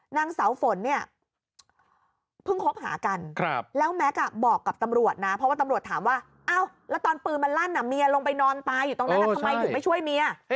ตายอยู่ตรงนั้นทำไมถึงไม่ช่วยเมีย